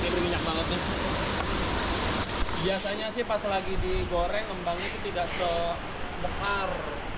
biasanya sih pas lagi digoreng lembangnya itu tidak sebekar